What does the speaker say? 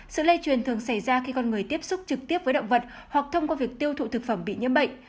sự lây truyền thường xảy ra khi con người tiếp xúc trực tiếp với động vật hoặc thông qua việc tiêu thụ thực phẩm bị nhiễm bệnh